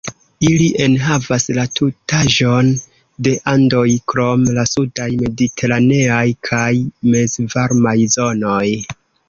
Ili enhavas la tutaĵon de Andoj krom la sudaj mediteraneaj kaj mezvarmaj zonoj.